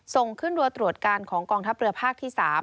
ส่งขึ้นรัวตรวจการของกองทัพเรือภาคที่๓